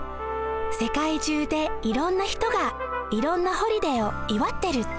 世界中でいろんな人がいろんなホリデーをいわってるって。